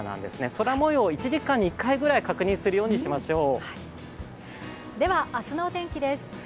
空もよう、１時間に１回ぐらい確認するようにしましょう。